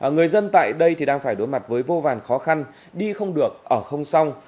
người dân tại đây đang phải đối mặt với vô vàn khó khăn đi không được ở không xong